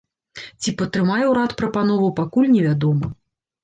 Ці патрымае ўрад прапанову, пакуль невядома.